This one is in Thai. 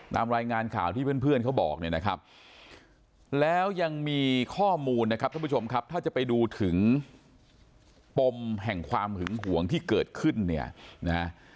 ตามรายงานข่าวที่เพื่อนเขาบอกแล้วยังมีข้อมูลถ้าจะไปดูถึงปมแห่งความหึงห่วงที่เกิดขึ้น